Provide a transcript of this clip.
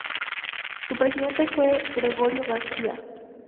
Su presidente fue Gregorio García.